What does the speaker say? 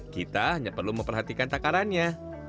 kita hanya perlu memperhatikan takarannya